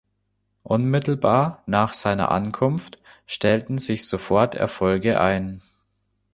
Unmittelbar nach seiner Ankunft stellten sich sofort Erfolge ein.